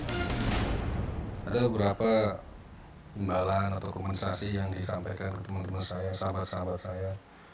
ada beberapa imbalan atau komunikasi yang disampaikan ke teman teman saya sahabat sahabat saya